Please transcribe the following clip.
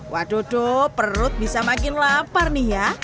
waduh waduh perut bisa makin lapar nih ya